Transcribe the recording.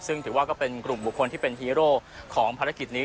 ซึ่งถือว่าก็เป็นกลุ่มบุคคลที่เป็นฮีโร่ของภารกิจนี้